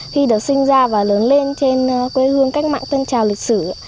khi được sinh ra và lớn lên trên quê hương cách mạng tân trào lịch sử